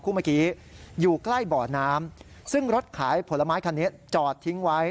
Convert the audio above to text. เมื่อกี้อยู่ใกล้บ่อน้ำซึ่งรถขายผลไม้คันนี้จอดทิ้งไว้